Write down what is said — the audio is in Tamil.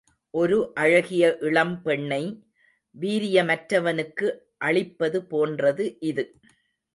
ஒரு அழகிய இளம்பெண்ணை, வீரியமற்றவனுக்கு அளிப்பது போன்றது இது.